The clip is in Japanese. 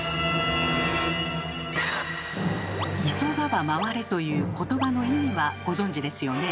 「急がば回れ」という言葉の意味はご存じですよね。